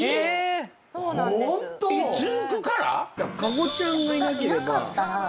加護ちゃんがいなければ。